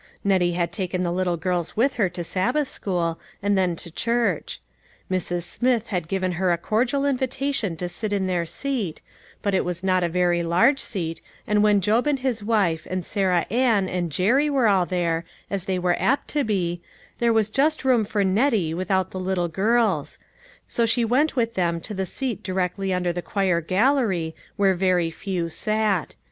Nettie had taken the little girls with her to Sabbath school, and then to church. Mrs. Smith had given her a cordial invitation to sit in their seat, but it was not a very large seat, and when Job and his wife, and Sarah Ann and Jerry were all there, as they were apt to be, there was just room for Nettie without the little girls ; so she went with them to the seat directly under the choir gallery where very few sat.